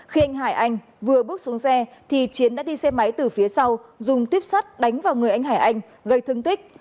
khi anh hải anh vừa bước xuống xe thì chiến đã đi xe máy từ phía sau dùng tuyếp sắt đánh vào người anh hải anh gây thương tích